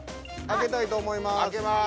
開けたいと思います。